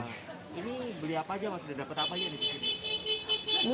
ini beli apa aja dapat apa aja di sini